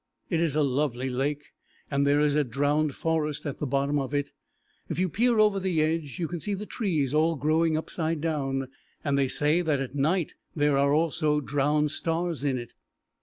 It is a lovely lake, and there is a drowned forest at the bottom of it. If you peer over the edge you can see the trees all growing upside down, and they say that at night there are also drowned stars in it.